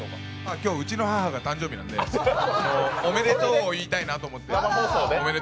今日、うちの母が誕生日なので、おめでとうを言いたいと思って。